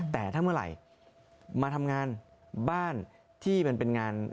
แต่ถ้าเมื่อไหร่มาทำงานบ้านที่มันเป็นงาน